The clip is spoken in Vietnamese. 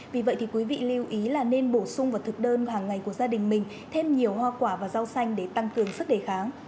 vì vậy thì quý vị lưu ý là nên bổ sung vào thực đơn hàng ngày của gia đình mình thêm nhiều hoa quả và rau xanh để tăng cường sức đề kháng